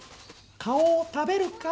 顔を食べるかい？